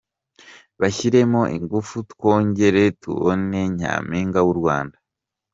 Bashyiremo ingufu twongere tubone Nyampinga w’u Rwanda.